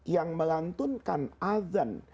yang melantunkan azan